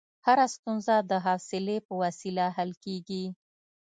هره ستونزه د حوصلې په وسیله حل کېږي.